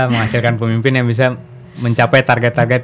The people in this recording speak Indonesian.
menghasilkan pemimpin yang bisa mencapai target target